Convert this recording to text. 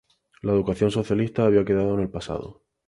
La educación socialista había quedado en el pasado.